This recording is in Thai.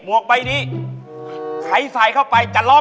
โอลานัทไปกากาไวว่านั่น